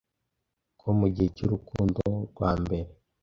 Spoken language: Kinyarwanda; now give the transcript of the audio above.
ko mugihe cyurukundo rwambere